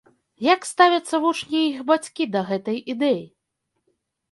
Як ставяцца вучні і іх бацькі да гэтай ідэі?